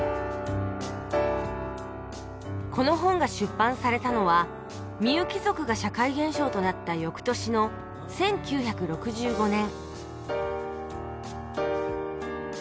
この本が出版されたのはみゆき族が社会現象となった翌年の１９６５年